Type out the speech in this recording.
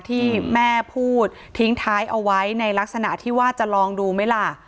ที่แม่พูดทิ้งท้ายเอาไว้ในลักษณะที่ว่าจะลองดูไหมล่ะ